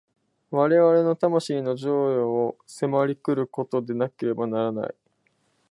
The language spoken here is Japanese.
我々の魂の譲与を迫り来ることでなければならない。